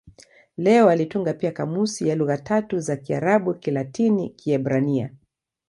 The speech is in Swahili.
Leo alitunga pia kamusi ya lugha tatu za Kiarabu-Kilatini-Kiebrania.